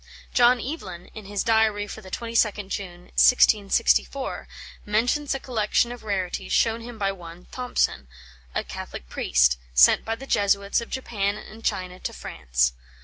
John Evelyn, in his Diary for the 22nd June, 1664, mentions a collection of rarities shown him by one Thompson, a Catholic priest, sent by the Jesuits of Japan and China to France.